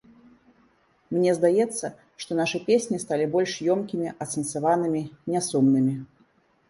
Мне здаецца, што нашы песні сталі больш ёмкімі, асэнсаванымі, нясумнымі.